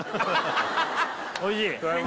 おいしい？